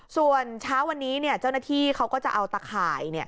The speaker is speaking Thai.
ส่วนเช้าวันนี้เจ้าหน้าที่เขาก็จะเอาตะข่าย